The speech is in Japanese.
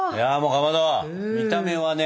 かまど見た目はね